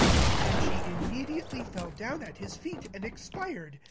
'' M Then she immediatelv fell do^ at his feet, and expired.